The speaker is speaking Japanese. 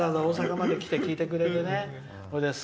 わざわざ、大阪まで来て聴いてくれて。